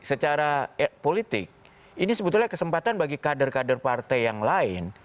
secara politik ini sebetulnya kesempatan bagi kader kader partai yang lain